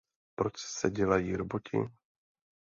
Proč se dělají Roboti!